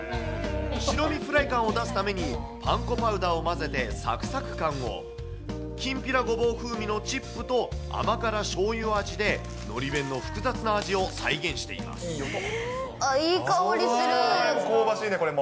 白身フライ感を出すために、パン粉パウダーを混ぜて、さくさく感を、きんぴらごぼう風味のチップと甘辛しょうゆ味で、のり弁の複雑なあー、香ばしいね、これも。